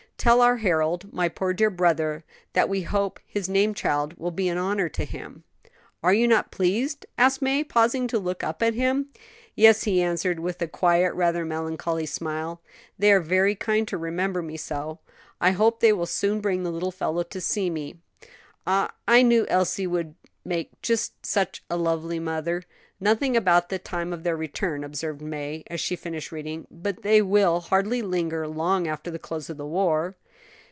"Tell our Harold my poor dear brother that we hope his name child will be an honor to him." "Are you not pleased?" asked May, pausing to look up at him. "Yes," he answered, with a quiet, rather melancholy smile; "they are very kind to remember me so. I hope they will soon bring the little fellow to see me. Ah, I knew Elsie would make just such a lovely mother." "Nothing about the time of their return," observed May, as she finished reading; "but they will hardly linger long after the close of the war."